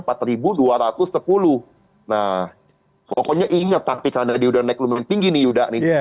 pokoknya inget tapi kashnya karena dia udah naik lumayan tinggi nih